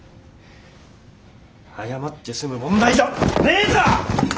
謝って済む問題じゃねえぞ！